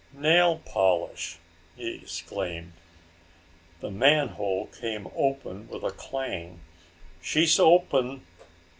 "Nail polish!" he exclaimed. The manhole came open with a clang. "She's open!"